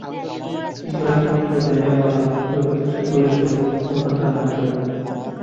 ঈশ্বর একমাত্র দেনেওয়ালা, জগতের সকলেই তো দোকানদার মাত্র।